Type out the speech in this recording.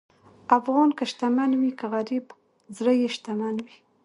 افغان که شتمن وي که غریب، زړه یې شتمن وي.